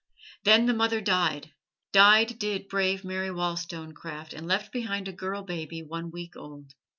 Then the mother died died did brave Mary Wollstonecraft, and left behind a girl baby one week old.